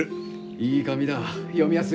いい紙だ読みやすい。